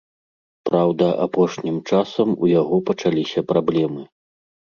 Праўда, апошнім часам у яго пачаліся праблемы.